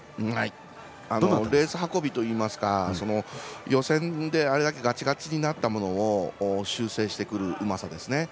レース運びといいますか、予選であれだけがちがちになったものを修正してくるうまさですね。